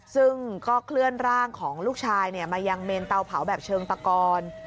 ซึ่งก็เคลื่อนร่างของลูกชายมายังเมนเตาเผาแบบเชิงตะกอน